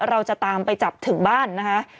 เราจะตามไปจับถึงบ้านนะคะ